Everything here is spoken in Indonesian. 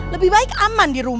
lebih baik anak anak main di rumah